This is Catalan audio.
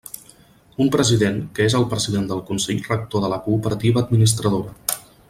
Un president, que és el president del consell rector de la cooperativa administradora.